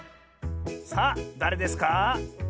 さあだれですか？